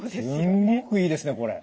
すごくいいですねこれ。